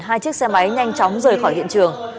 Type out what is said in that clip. hai chiếc xe máy nhanh chóng rời khỏi hiện trường